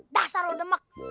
dah saru demek